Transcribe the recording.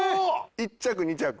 １着２着